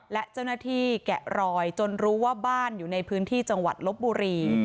และเจ้าหน้าที่แกะรอยจนรู้ว่าบ้านอยู่ในพื้นที่จังหวัดลบบุรี